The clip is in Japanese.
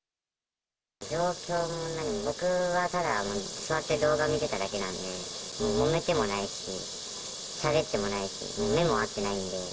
状況も何も、僕はただ座って動画見てただけなんで、もめてもないし、しゃべってもないし、目も合ってないんで。